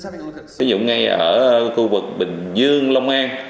ví dụ ngay ở khu vực bình dương long an